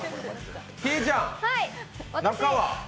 ひぃちゃん、中は？